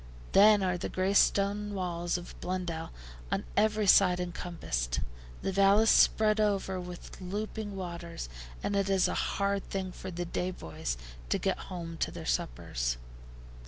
Then are the gray stone walls of Blundell on every side encompassed, the vale is spread over with looping waters, and it is a hard thing for the day boys to get home to their suppers.